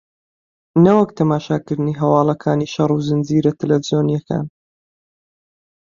نەوەک تەماشاکردنی هەواڵەکانی شەڕ و زنجیرە تەلەفزیۆنییەکان